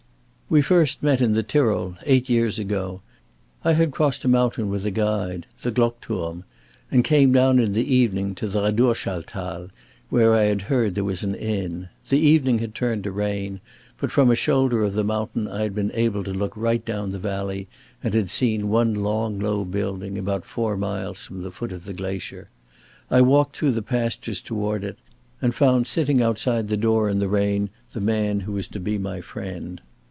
"We first met in the Tyrol, eight years ago. I had crossed a mountain with a guide the Glockturm and came down in the evening to the Radurschal Thal where I had heard there was an inn. The evening had turned to rain; but from a shoulder of the mountain I had been able to look right down the valley and had seen one long low building about four miles from the foot of the glacier. I walked through the pastures toward it, and found sitting outside the door in the rain the man who was to be my friend.